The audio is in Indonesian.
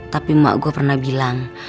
tapi emak gue pernah bilang